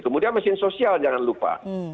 kemudian mesin sosial jangan lupa